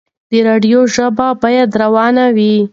د راډيو ژبه بايد روانه وي.